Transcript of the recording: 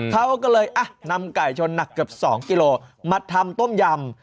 เขาก็เลยนำไก่ชนหนักเกือบ๒กิโลมาทำต้มยำ